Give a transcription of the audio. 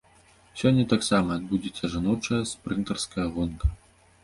Сёння таксама адбудзецца жаночая спрынтарская гонка.